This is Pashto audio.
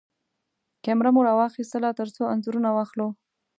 کېمره مو راواخيستله ترڅو انځورونه واخلو.